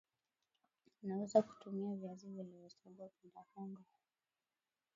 unaweza kutumia Viazi vilivyosagwa pondwa pondwa